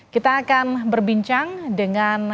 kita akan berbincang dengan